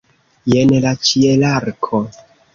Jen la ĉielarko!